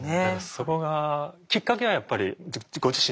そこがきっかけはやっぱりご自身で？